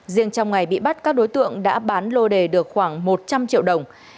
riêng trong ngày bị bắt các đối tượng đã bán lô đề được khoảng một trăm linh triệu đồng